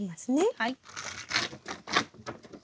はい。